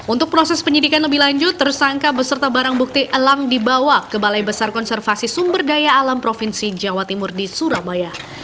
untuk proses penyidikan lebih lanjut tersangka beserta barang bukti elang dibawa ke balai besar konservasi sumber daya alam provinsi jawa timur di surabaya